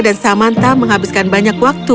dan samantha menghabiskan banyak waktu